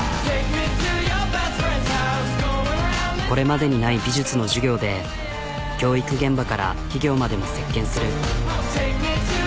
これまでにない美術の授業で教育現場から企業までも席けんする。